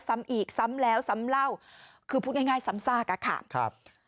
ซ้ำอีกซ้ำแล้วซ้ำเล่าคือพูดง่ายซ้ำซากอะค่ะครับ